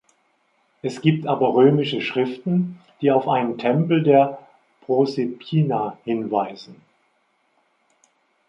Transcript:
Es gibt aber römische Schriften, die auf einen Tempel der Proserpina hinweisen.